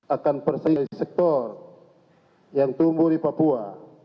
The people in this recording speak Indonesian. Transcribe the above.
akan persis sektor yang tumbuh di papua